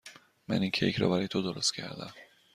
من این کیک را برای تو درست کردم.